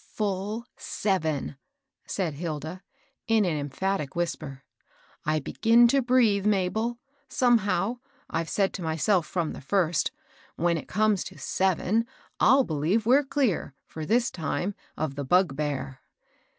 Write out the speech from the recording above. ^' Full seven I " said Hilda, in an emphatic whis per. "I begin to breathe, Mabel. Somehow, I've said to myself, from the first, * When it comes to seven, I'll believe we're clear, for this time, of the bugbear.'